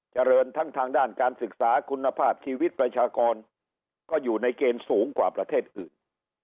เจริญทั้งทางด้านการศึกษาคุณภาพชีวิตประชากรก็อยู่ในเกณฑ์สูงกว่าประเทศอื่น